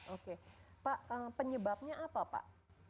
oke pak penyebabnya apa pak